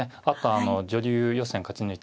あと女流予選勝ち